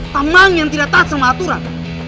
tenang yang tidak taat sama aturan